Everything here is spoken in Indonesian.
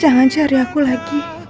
jangan cari aku lagi